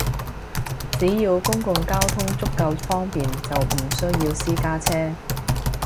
只要公共交通足夠方便，就唔需要私家車